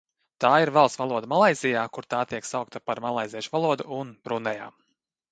Tā ir valsts valoda Malaizijā, kur tā tiek saukta par malaiziešu valodu, un Brunejā.